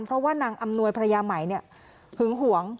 เพราะว่านางอำนวยภรรยาใหม่หึงหวง